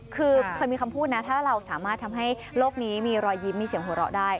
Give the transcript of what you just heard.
คือเคยมีคำพูดนะถ้าเราสามารถทำให้โลกนี้มีรอยยิ้มมีเสียงหัวเราะได้